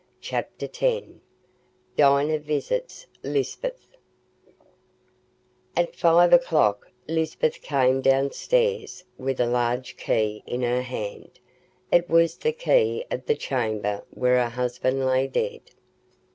Chapter X Dinah Visits Lisbeth At five o'clock Lisbeth came downstairs with a large key in her hand: it was the key of the chamber where her husband lay dead.